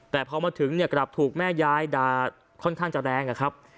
แต่พอมาถึงเนี่ยกลับถูกแม่ยายด่าค่อนข้างจะแรงนะครับ